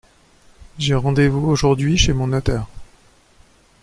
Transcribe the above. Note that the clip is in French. J’ai rendez-vous aujourd’hui chez mon notaire.